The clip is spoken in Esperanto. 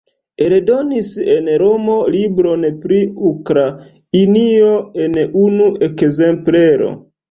Eldonis en Romo libron pri Ukrainio en unu ekzemplero.